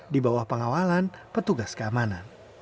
di bawah pengawalan petugas keamanan